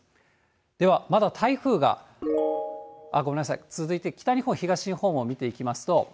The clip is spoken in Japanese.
では、まだ台風が、ごめんなさい、続いて北日本、東日本を見ていきますと。